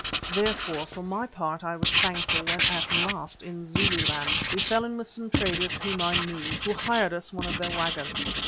Therefore, for my part I was thankful when at last, in Zululand, we fell in with some traders whom I knew, who hired us one of their wagons.